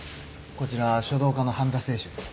こちら書道家の半田清舟です。